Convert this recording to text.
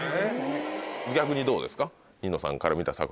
逆にどうですか？